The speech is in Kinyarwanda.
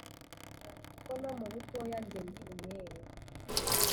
Ko no mu butoya njye ndi umwere